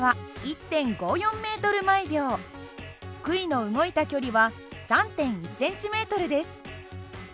杭の動いた距離は３．１ｃｍです。